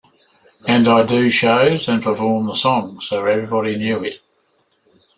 And I do shows and perform the song, so everybody knew it.